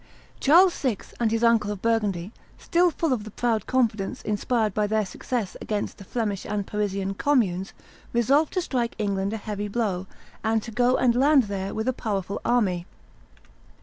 Charles VI. and his uncle of Burgundy, still full of the proud confidence inspired by their success against the Flemish and Parisian communes, resolved to strike England a heavy blow, and to go and land there with a powerful army.